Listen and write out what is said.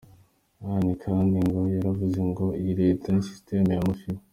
Anne kandi ngo yaravuze ngo “iyi Leta ni system ya mafia”.